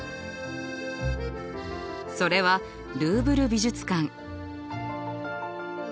それはルーヴル美術館。